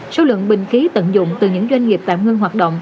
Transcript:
số lượng bình khí tận dụng từ những doanh nghiệp tạm ngưng hoạt động